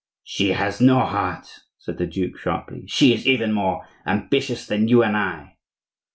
"She has no heart," said the duke, sharply; "she is even more ambitious than you and I."